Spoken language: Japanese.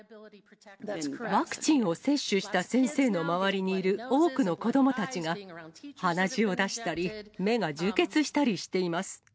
ワクチンを接種した先生の周りにいる多くの子どもたちが、鼻血を出したり、目が充血したりしています。